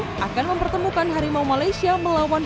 saya pikir perempuan harus lebih bermain